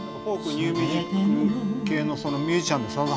ニューミュージック系のミュージシャンでさださん